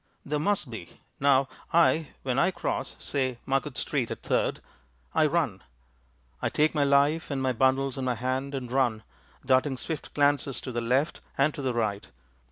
There must be. Now I, when I cross, say Market street at Third, I run. I take my life and my bundles in my hand and run, darting swift glances to the left and to the right.